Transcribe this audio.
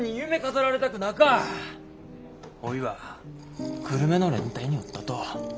おいは久留米の連隊におったと。